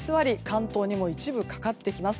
関東にも一部、かかってきます。